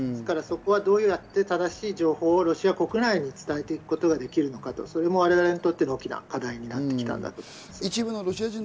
そこはどうやって正しい情報をロシア国内に伝えていくことができるのか、それも我々にとっての大きな課題となっています。